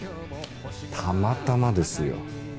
たまたまですよ。